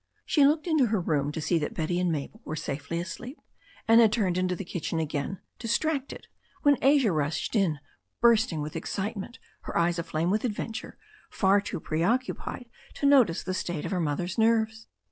She looked into her room to see that Betty and Mabel were safely asleep, and had turned into the kitchen again, distracted, when Asia rushed in, bursting with excitement, her eyes aflame with adventure, far too preoccupied to notice the state of her mother's nerves.